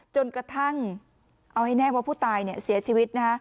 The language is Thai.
จนกระทั่งเอาให้แน่ว่าผู้ตายเสียชีวิต